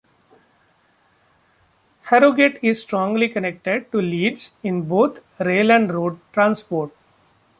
Harrogate is strongly connected to Leeds, in both rail and road transport.